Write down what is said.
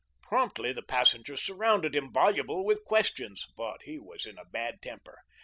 Promptly the passengers surrounded him, voluble with questions. But he was in a bad temper.